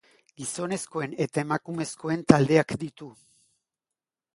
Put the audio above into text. Gizonezkoen eta emakumezkoen taldeak ditu.